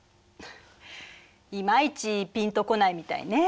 いまいちピンとこないみたいね。